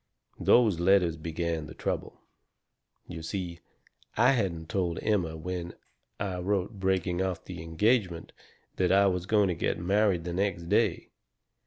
"Those letters began the trouble. You see, I hadn't told Emma when I wrote breaking off the engagement that I was going to get married the next day.